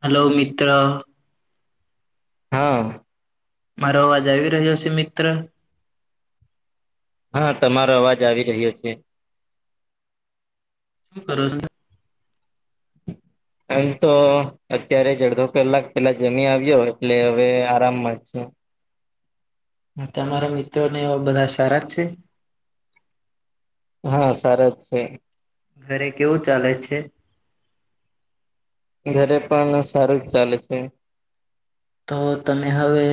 Hello મિત્ર. હા. મારો અવાજ આવી રહ્યો છે? મિત્ર. હા, તમારો અવાજ આવી રહ્યો છે. [unintelligible] આમ તો અત્યારે અડધો કલાક પેલા જમી આવ્યો એટલે હવે આરામ જ. હા, તમારા મિત્રોને એવા બધા સારા છે. હા, સારા જ છે. ઘરે કેવું ચાલે છે. ઘરે પણ સારું જ ચાલે છે. તો તમે હવે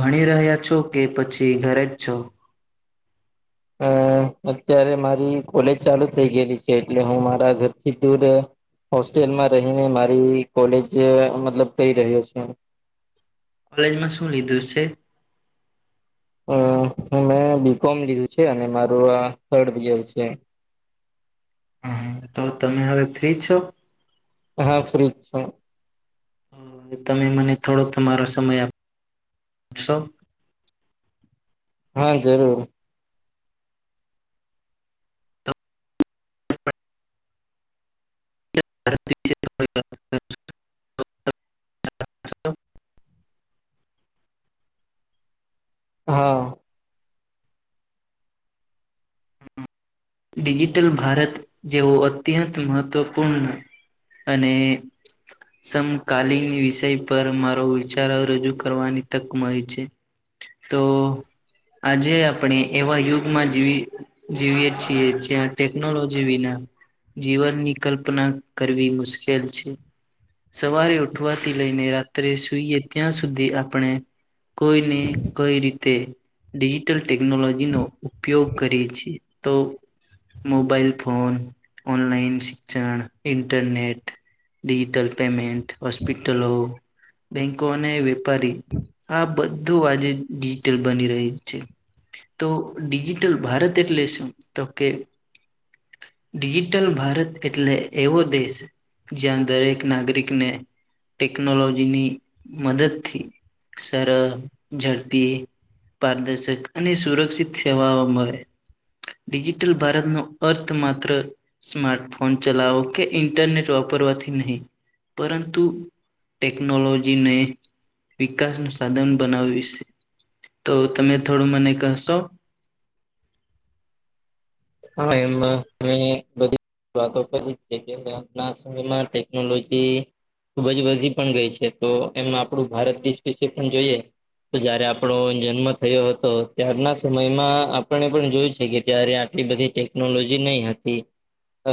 ભણી રહ્યા છો કે પછી ઘરે જ છો. અ અત્યારે મારી કોલેજ ચાલુ થઈ ગયેલી છે એટલે હું મારા ઘરથી દૂર હોસ્ટેલમાં રહીને મારી કોલેજ મતલબ કઈ રહ્યો છે. કોલેજમાં શું લીધું છે. અ મેં બીકોમ લીધું છે અને માર આ થડ યર છે. હ તો તમે હવે ફ્રી છો. હા ફ્રી જ છું. તમે મને થોડો તમારો સમય આપ આપશો. હા જરૂર. [inaudible] હા. ડિજિટલ ભારત જેવો અત્યંત મહત્વપૂર્ણ અને સમકાલીન વિષય પર મારો વિચારો રજૂ કરવાની તક મળે છે. તો આજે આપણે એવા યુગમાં જેવી જીવીએ છીએ જ્યાં ટેકનોલોજી વિના જીવનની કલ્પના કરવી મુશ્કેલ છે. સવારે ઉઠવાથી લઈને રાત્રે સુૂઈએ ત્યાં સુધી આપણે કોઈને કઈ રીતે ડિજીિટલ ટેકનોલોજીનો ઉપયોગ કરીએ છે. તો મોબાઈલ ફોન ઓનલાઈન શિક્ષણ ઇન્ટરનેટ ડિજિટલ પેમેન્ટ હોસ્પિટલો બેંકો ને વેપારી આ બધું આજે ડિજટલ બની રહી છે. તો ડિજિટલ ભારત એટલે શું તો કે ડિજિટલ ભારત એટલે એવો દેશ જ્યાં દરેક નાગરિકને ટેકનોલોજીની મદદથી સરળ ઝડપી પારદર્શક અને સુરક્ષિત સેવાઓ મળે ડિજિટલ ભારતનું અર્થ માત્ર સ્માર્ટફોન ચલાવો કે ઇન્ટરનેટ વાપરવાથી નહી પરંતુ ટેકનોલોજીને વિકાસ નું સાધન બનાવિશ તો તમે થોડું મને કહશો? હા એમ મે બધી વાતો કરી કે આજના સમયમાં ટેકનોલોજી ખૂબ જ વધી પણ ગઈ છે તો એમાં આપડું ભારત દેશ વિશે પણ જોઈએ તો જયારે આપણો જન્મ થયો હતો ત્યારના સમયમાં આપણે પણ જોયું છે કે ત્યારે એટલી બધી ટેકનોલોજી નહી હતી. અ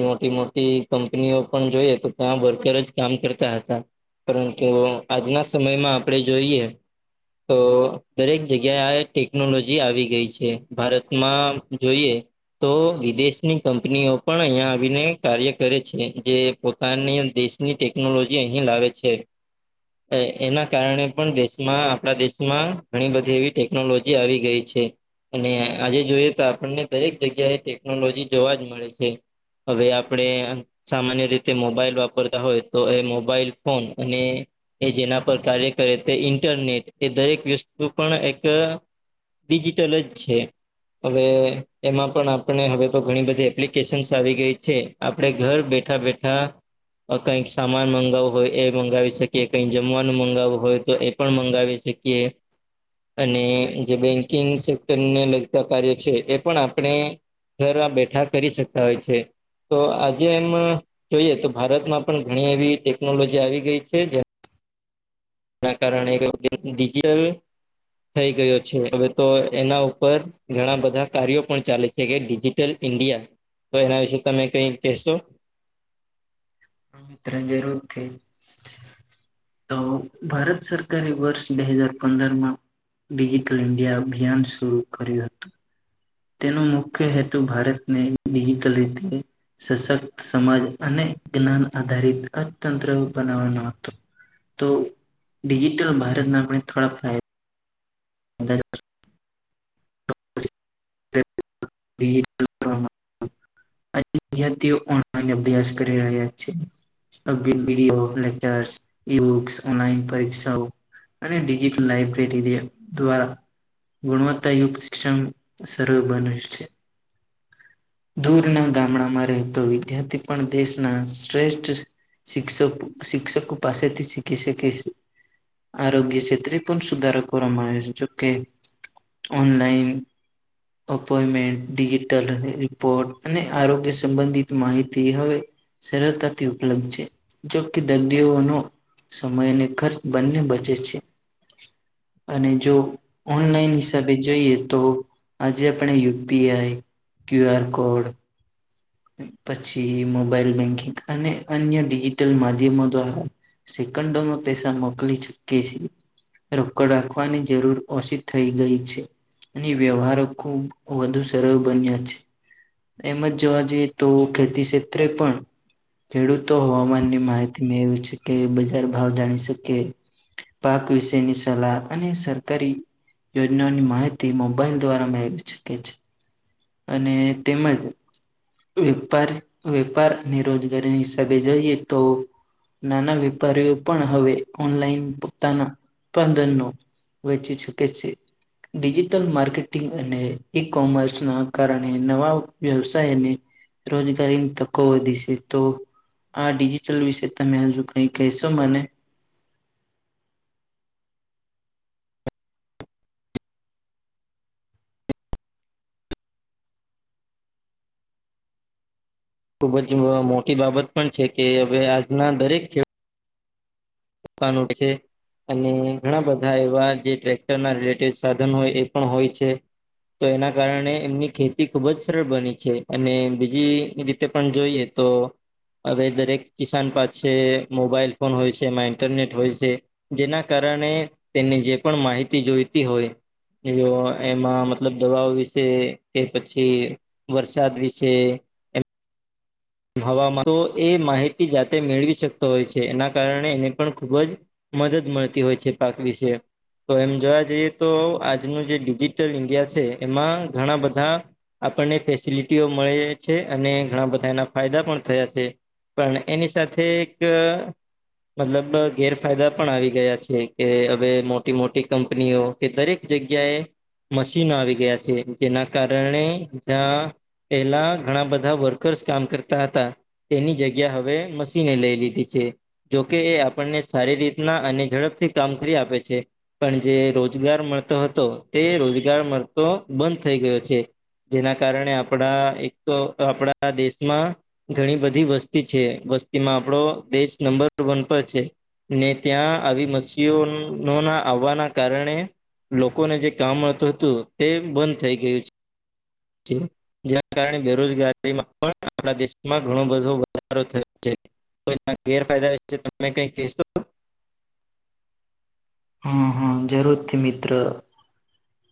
મોટી મોટી કંપનીઓ પણ જોઈએ તો ત્યાં વર્કર જ કામ કરતા હતા. પરંતુ આજના સમયમાં આપણેે જોઈએ. તો દરેક જગ્યાએ આ ટેકનોલોજી આવી ગઈ છે ભારતમાં જોઈએ તો વિદેશની કંપનીઓ પણ અહિયાં આવીને કાર્ય કરે છે જે પોતાની દેશ ની ટેકનોલોજી અહીં લાવે છે. એના કારણે પણ દેશમાં આપણા દેશમાં ઘણી બધી એવી ટેકનોલોજી આવી ગઈ છે. અને આજે જોઈએ તો આપણને દરેક જગ્યાએ ટેકનોલોજી જોવા જ મળે છે. હવે આપણેે સામાન્ય રીતે મોબાઈલ વાપરતા હોય તો એ મોબાઈલ ફોન અને એ જેના પર કાર્ય કરે તે ઇન્ટરનેટ એ દરેક વસ્તુ પણ એક ડિજિટલ જ છે હવે. એમાં પણ આપણે હવે તો ઘણી બધી એપ્લિકેશન્સ આવી ગઈ છે આપણે ઘર બેઠા બેઠા. કઈક સામાન મગાવવો હોય એ મગાવી શકીએ કઈક જમવાનું મગાવવું હોય તો એ પણ મંગાવી શકીએ. અને જે બેંકિંગ સેક્ટરને લગતા કાર્ય છે એ. પણ આપણે ઘર બેઠા કરી શકતા હોય છે. તો આજે એમ જોઈએ તો ભારતમાં પણ ઘણી એવી ટેકનોલોજી આવી ગઈ છે. કારણેિજલ થઈ ગયો છે હવે તો એના ઉપર [unintelligible] [inaudible] ઘણા બધા કાર્યો પણ ચાલે છે કે ડિજિટલ ઈન્ડિયા તો એના વિશે તમે કઈ કહેશો? મ ત્રણ જરૂર થ [unintelligible] [inaudible] તો ભારત સરકારે વર્ષ બે હજાર પંદર માં. ડિજિટલ ઇન્ડિયા અભિયાન શર કર્યું હતું. તેનો મુખ્ય હેતુ ભારતને ડિજીટલ રીતે. સશક્ત સમાજ અને જ્ઞાન આધારિત અર્થતંત્ર બનાવવાનો હતો. તો ડિજીિટલ ભારતના આપણે થોડા ફાયદા. અ. બ [unintelligible] [inaudible] આ વિધાર્થીઓ પણ અહીં ઓનલાઈન અભ્યાસ કરી રહ્યા છે. Video lectures e books online પરીિકક્ષાઓ [unintelligible] [inaudible] અને ડિજિટલ લાઈબ્રેરી દ્વારા ગુણવત્તા અયુક્ત શષ સ બન છે. [unintelligible] [inaudible] દૂરના ગામડામાં રહેતો વિદ્યાર્થી પણ દેશના શ્રેષ્ઠ. શિક્ષક શિક્ષકો પાસેથી શીખી શકે છે. આરોગ્ય ક્ષેત્રે પણ સુધારો કરવામાં આવે છે જોકે. Online, appointment digital. અને આરોગ્ય સંબંધિત માહિતી હવે. સરળતાથી ઉપલબ્ધ છે જોકે દર્દીઓનો. સમય અને ખર્ચ બંને બચે છે. અને જો ઓનલાઈન હિસાબે જોઈએ તો. આજે આપણે યુપીઆઈ ક્યુઆર કોડ. પછી મોબાઈલ બેંકિંગ અને અન્ય ડિજિટલ માધ્યમો દ્વારા. સેકન્ડોમાં પૈસા મોકલી શકીએ છીએ. રોકડ રાખવાની જરૂર ઓછી થઈ ગઈ છે. ની વ્યવહારો ખુબ વધુ સરળ બન્યા છે, એમ જ જવા. એતો તો ખેતી ક્ષેત્રે પણ- ખેડૂતો હવામાનની માહિતીમાં એ છે કે બજાર ભાવ જાણી શકે-. પાક વિશેની સલાહ અને સરકારી- યોજનાઓની માહિતી મોબાઈલ દ્વારા મેળવી શકે છે. અને તેમજ વેપારી વેપાર અને રોજગારીની હિસાબે જોઈએ તો નાના વેપારીઓ પણ હવે ઓનલાઈન પોતાના ઉત્પાદનનો વહેચી શકે છે. ડિજિટલ માર્કેટિંગ અને ઈ કોમર્સના કારણે નવા વ્યવસાયને રોજગારીની તકો વધી છે. તો આ ડિજિટલ વિશે તમે હજુ કઈ કહેશો મને? ખુબ જ મોટી બાબત પણ છે કે હવે આજના દરેક ખેડૂત કાનઠ છે [unintelligible] [inaudible] અને ઘણા બધા એવા જે ટ્રેક્ટર ના રિલેટેડ સાધન હોય એ પણ હોય છે. તો એના કારણે એમની ખેતી ખુબ જ સરળ બની છે અને બીજી રીતે પણ જોઈએ તો હવે દરેક કિસાન પાસે મોબાઈલ ફોન હોય છે. તેમાં ઇન્ટરનેટ હોય છે જેના કારણે તેની જે પણ માહિતી જોઈતી હોય ઈઓ એમાં મતલબ દવાઓ વિશે કે પછી- વરસાદ વિશે, હવામાં તો એ માહિતી જાતે મેળવી શકતો હોય છે એના કારણે એને પણ ખૂબ જ- મદદ મળતી હોય છે પાક વિશે. તો એમ જોવા જઈએ તો આજનું જે ડિજિટલ ઈન્ડિયા સે એમાં ઘણા બધા- આપણને ફેસિલિટીઓ મળે છે અને ઘણા બધા એના - ફાયદા પણ થયા સે પણ એની સાથે એક- મતલબ ગેરફાયદા પણ આવી ગયા છે કે હવે મોટી મોટી કંપનીઓ- કે દરેક જગ્યાએ મશીનો આવી ગયા સે જેના કારણે જ્યાં- પેલા ઘણા બધા વર્કર્સ કામ કરતા- હતા તેની જગ્યા હવે મશીને લઈ લીધી છે. જોકે એ આપણને સારી રીતના અને ઝડપથી કામ કરી આપે છે. પણ જે રોજગાર મળતો હતો તે રોજગાર મળતો બંધ થઈ ગયો છે. જેના કારણે આપળા એક તો આપળા દેશમાં- ઘણી બધી વસ્તી છે વસ્તીમાં આપણો દેશ નંબર વન પર છે. ને ત્યાં આવી મછઓ ના આવવાના કારણે- લોકોને જે કામ મળતું હતું તે બંધ થઈ ગયું છે. કેમ? જેના કારણે બેરોજગારીમાં પણ આપણા દેશમાં ઘણો બધો વધારો થયો છે. તો એના ગેરફાયદા છે તમે કઈ કહીશો? હા હા જરૂરથી મિત્ર!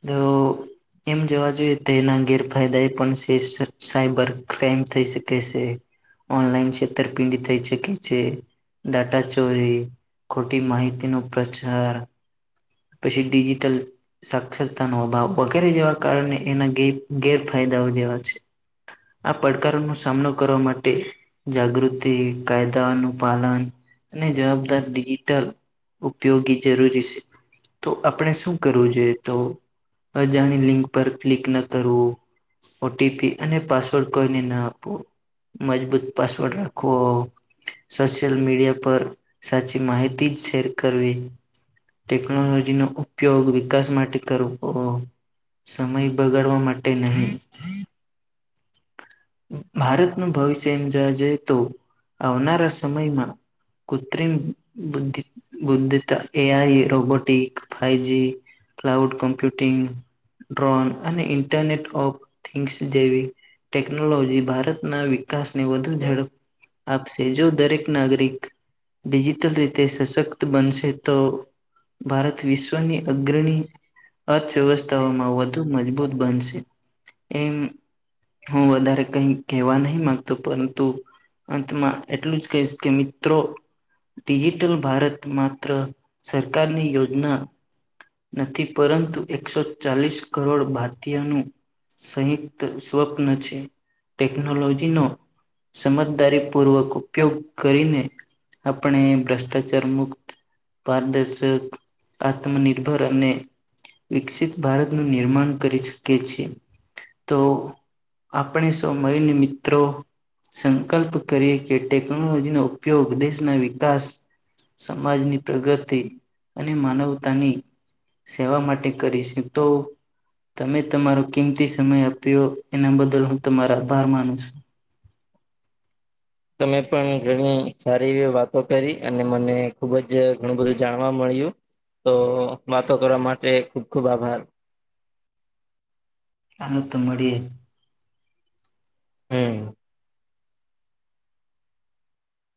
તો એમ જવા જોઈએ તેના ગેરફાયદા એ પણ છે સાઈબર ક્રાઈમ થઈ શકે છે. ઓનલાઈન છેતરપિંડી થઈ શકે છે. ડાટા ચોરી ખોટી માહિતી નો પ્રચાર- પછી ડિજિટલ- સાક્ષરતાનો અભાવ વગેરે જેવા કારણે એના ગેરફાયદાઓ જેવા છે. આ પડકારોનો સામનો કરવા માટે- જાગૃતિ કાયદાઓનું પાલન અને જવાબદાર ડિજિટલ- ઉપયોગી જરૂરી છે. તો આપણે શું કરવું જોઈએ તો અજાણી લિંક પર ક્લિક ન કરવું ઓટીપી અને પાસવર્ડ કોઈને ના આપવું. મજબૂત પાસવર્ડ રાખવો- સોશિયલ મીડિયા પર સાચી માહિતી જ શેર કરવી. ટેક્નોલોજી નો ઉપયોગ વિકાસ માટે કરવો. સમય બગાડવા માટે નહીં. ભારતનું ભવિષ્ય એમ જોવા જઈએ તો આવનારા સમયમાં. કૃત્રિમ બુ્ધિ બુદ્ધિતા એ આઈ robotic five G- cloud computing drone અને ઇન્ટરનેટ ઓફ થિંગ્સ જેવી ટેકનોલોજી ભારતના વિકાસને વધુ ઝડપ આપશે જો દરેક નાગરિક ડિજિટલ રીતે સશક્ત બનશે તો ભારત વિશ્વની અગ્રણી અર્થવ્યવસ્થામાં વધુ મજબૂત બનશે. એમ. હું વધારે કઈ કહેવા નહી મામાંગતો પરંતુ અંતમાં એટલું જ કહીશ કે મિત્રો ડિજિટલ ભારત માત્ર સરકારની યોજના નથી પરંતુ એકસો ચાલીસ કરોડ ભારતીયનું સંયુક્ત સ્વપ્ન છે ટેકનોલોજી નો સમજદારી પૂર્વક ઉપયોગ કરીને આપણે ભ્રષ્ટાચાર મુક્ત પારદર્શક, આત્મ નિર્ભર અને વિકસિત ભારતનું નિર્માણ કરી શકે છે તો. આપણે સૌ મળીને મિત્રો. સંકલ્પ કરીએ કે ટેકનોલોજીનો ઉપયોગ દેશના વિકાસ સમાજની પ્રગતિ અને માનવતાની સેવા માટે કરીશ તો તમે તમારો કિમતી સમય આપ્યો. એના બદલ હું તમારા આભાર માનું છ. તમે પણ ઘણી સારી એવી વાતો કરી અને મને ખુબ જ ઘણું બધું જાણવા મળ્યું. તો વાતો કરવા માટે ખુબ ખુબ આભાર. અનુ તો મળીએ. હમ.